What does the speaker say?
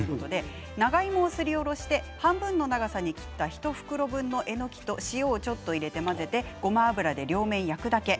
長芋をすりおろして半分の長さに切った１袋分のえのきと塩をちょっと入れて混ぜてごま油で両面焼くだけ。